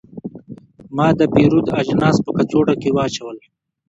ما د پیرود اجناس په کڅوړه کې واچول.